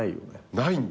ないんだ！？